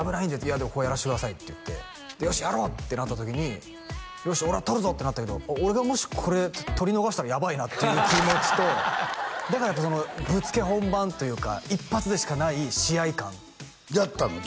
「いやここはやらせてください」って言ってで「よしやろう！」ってなった時に「よし俺は撮るぞ！」ってなったけど俺がもしこれ撮り逃したらやばいなっていう気持ちとだからやっぱそのぶっつけ本番というか一発でしかない試合感やったの？